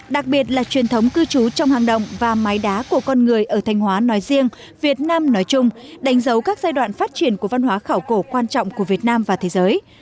đặc biệt là truyền thống cư trú trong hang động và mái đá của con người ở thanh hóa nói riêng việt nam nói chung đánh dấu các giai đoạn phát triển của văn hóa khảo cổ quan trọng của việt nam và thế giới